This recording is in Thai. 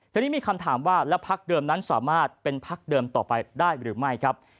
ทีนี้มีคำถามว่าแล้วพักเดิมนั้นสามารถเป็นพักเดิมต่อไปได้หรือไม่ครับ